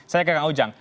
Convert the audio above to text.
saya ke kak ujang